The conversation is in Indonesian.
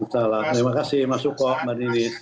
terima kasih mas suko mbak niwit